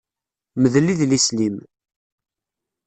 Mdel idlisen-im!